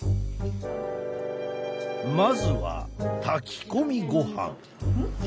まずは炊き込みごはん。